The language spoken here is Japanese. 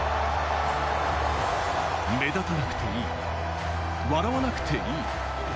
目立たなくていい、笑わなくていい。